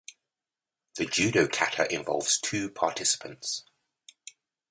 The judo kata involve two participants.